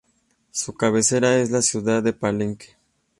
Su cabecera es la ciudad de Palenque.